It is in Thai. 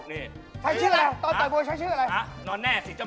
ใครเชื่อตอนต่อยบวยใช้เชื่ออะไร